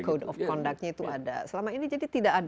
code of conduct nya itu ada selama ini jadi tidak ada